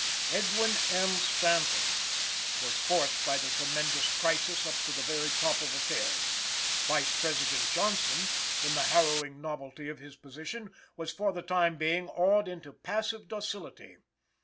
Edwin M. Stanton was forced by the tremendous crisis up to the very top of affairs. Vice President Johnson, in the harrowing novelty of his position, was for the time being awed into passive docility.